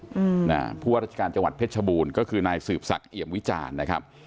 อืมอ่าผู้ว่าราชการจังหวัดเพชรชบูรณ์ก็คือนายสืบศักดิมวิจารณ์นะครับ